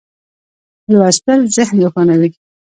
لوستل ذهن روښانوي.